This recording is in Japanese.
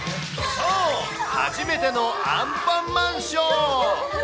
そう、初めてのアンパンマンショー。